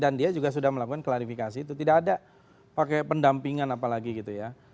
dan dia juga sudah melakukan klarifikasi itu tidak ada pakai pendampingan apalagi gitu ya